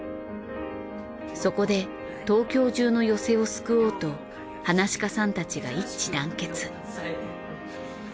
そこで東京中の寄席を救おうと噺家さんたちが一致団結。